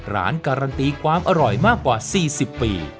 การันตีความอร่อยมากกว่า๔๐ปี